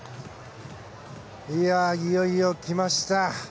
いよいよ来ました。